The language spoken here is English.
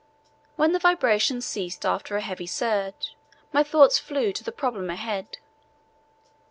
When the vibration ceased after a heavy surge, my thoughts flew round to the problem ahead.